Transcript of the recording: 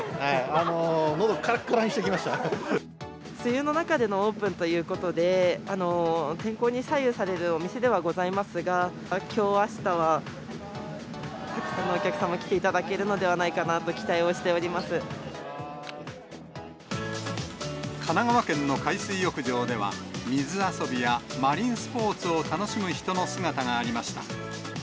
のど、梅雨の中でのオープンということで、天候に左右されるお店ではございますが、きょう、あしたは、たくさんのお客様、来ていただけるのではないかなと期待をしてお神奈川県の海水浴場では、水遊びやマリンスポーツを楽しむ人の姿がありました。